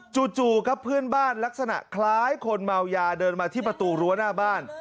จู่ครับเพื่อนบ้านลักษณะคล้ายคนเมายาเดินมาที่ประตูรั้วหน้าบ้าน